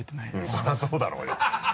それはそうだろうよ。